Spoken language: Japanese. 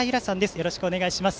よろしくお願いします。